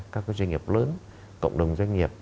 các doanh nghiệp lớn cộng đồng doanh nghiệp